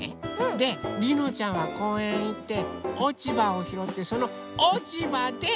でりのちゃんはこうえんへいっておちばをひろってそのおちばで